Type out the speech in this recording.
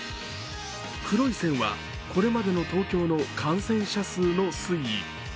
黒い線はこれまでの東京の感染者数の推移。